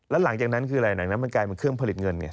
แล้วหลังจากนั้นคืออะไรหนังนั้นมันกลายเป็นเครื่องผลิตเงินไง